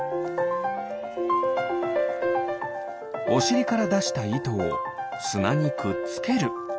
おしりからだしたいとをすなにくっつける。